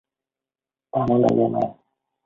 Tao muốn đi với mày